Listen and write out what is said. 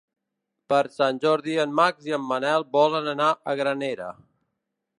Per Sant Jordi en Max i en Manel volen anar a Granera.